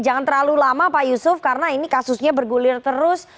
jangan terlalu lama pak yusuf karena ini kasusnya bergulir terus